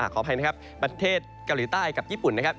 ขออภัยนะครับประเทศเกาหลีใต้กับญี่ปุ่นนะครับ